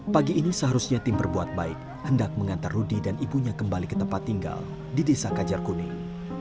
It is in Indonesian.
pagi ini seharusnya tim berbuat baik hendak mengantar rudy dan ibunya kembali ke tempat tinggal di desa kajar kuning